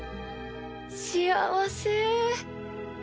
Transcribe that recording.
幸せ